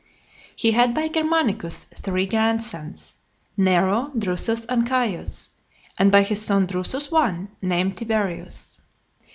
LIV. He had by Germanicus three grandsons, Nero, Drusus, and Caius; and by his son Drusus one, named Tiberius.